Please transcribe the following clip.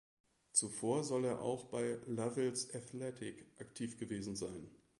Zuvor soll er auch bei Lovell’s Athletic aktiv gewesen sein.